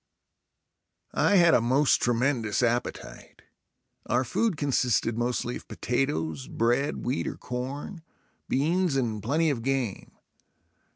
I had a most tremendous appetite. Our food consisted mostly of potatoes, bread, wheat or corn, beans and plenty of game.